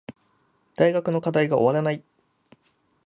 大学の課題が終わらない